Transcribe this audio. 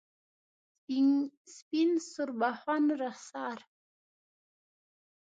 سپین سوربخن رخسار